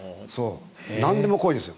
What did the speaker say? なんでも来いですよ